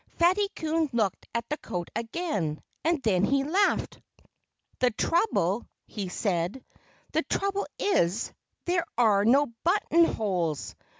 Fatty Coon looked at the coat again. And then he laughed. "The trouble " he said "the trouble is, there are no buttonholes!